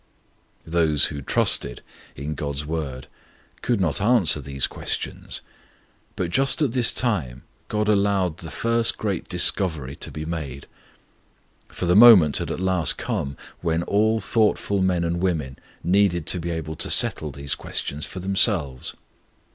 Those who trusted in God's Word could not answer these questions; but just at this time God allowed the first great discovery to be made; for the moment had at last come when all thoughtful men and women needed to be able to settle these questions for themselves.